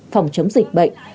phòng chống dịch bệnh